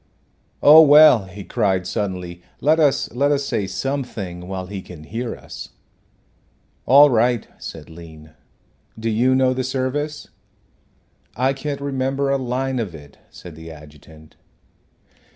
"Oh, well," he cried, suddenly, "let us let us say something while he can hear us." "All right," said Lean. "Do you know the service?" "I can't remember a line of it," said the adjutant.